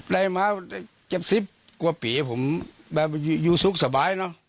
ได้มาเจ็บซิบกว่าปีผมอยู่สุขสบายเนอะ